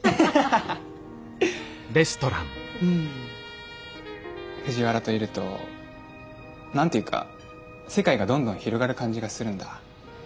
うん藤原といると何て言うか世界がどんどん広がる感じがするんだ。